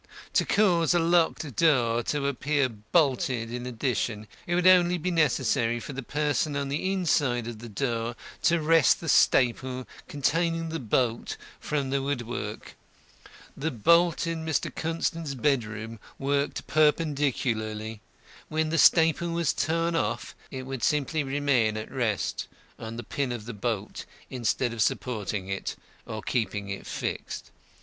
To cause a locked door to appear bolted in addition, it would only be necessary for the person on the inside of the door to wrest the staple containing the bolt from the woodwork. The bolt in Mr. Constant's bedroom worked perpendicularly. When the staple was torn off, it would simply remain at rest on the pin of the bolt instead of supporting it or keeping it fixed.